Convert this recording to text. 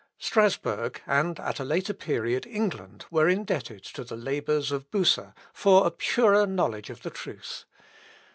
Strasburg, and at a later period England, were indebted to the labours of Bucer, for a purer knowledge of the truth.